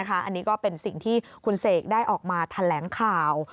อันนี้ก็เป็นสิ่งที่คุณเสกได้ออกมาแถลงข่าว